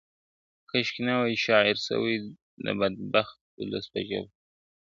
کشکي نه وای شاعر سوی د بدبخت اولس په ژبه !.